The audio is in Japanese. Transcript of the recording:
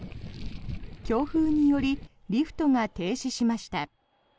強風によりリフトが停止しました。